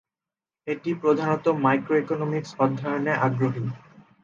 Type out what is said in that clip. এটি প্রধানত মাইক্রোইকোনমিক্স অধ্যয়নে আগ্রহী।